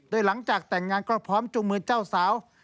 โดยหลังจากแต่งงานก็พร้อมจูงมือเจ้าสาว